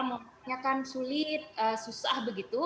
memiliki sulit susah begitu